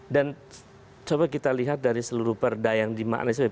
dan coba kita lihat dari seluruh perda yang dimaknai